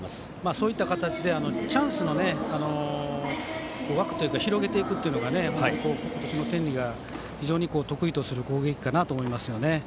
そういった形でチャンスを広げていくというのが今年の天理が非常に得意とする攻撃かなと思いますね。